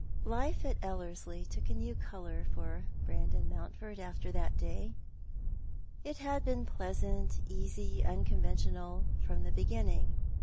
Life at Ellerslie took a new colour for Brandon Monntford after that day. It had been pleasant, easy, unconventional from the beginning.